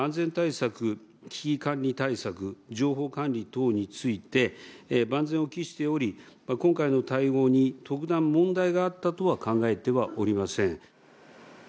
安全対策、危機管理対策、情報管理等について、万全を期しており、今回の対応に特段問題があったとは考えてはおりません。